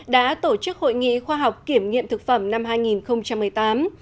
đã tổ chức hội nghị khoa học kiểm nghiệm thực phẩm năm hai nghìn một mươi tám